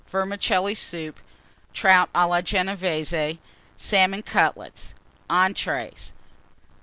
Vermicelli Soup. Trout à la Genévése Salmon Cutlets. ENTREES.